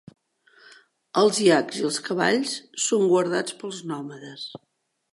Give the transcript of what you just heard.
Els iacs i els cavalls són guardats pels nòmades.